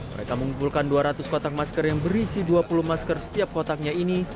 mereka mengumpulkan dua ratus kotak masker yang berisi dua puluh masker setiap kotaknya ini